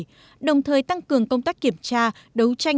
các doanh nghiệp đang cường công tác kiểm tra đấu tranh